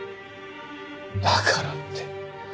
だからって。